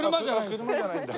車じゃないんだ。